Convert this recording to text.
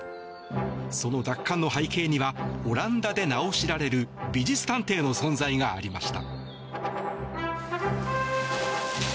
その奪還の背景にはオランダで名を知られる美術探偵の存在がありました。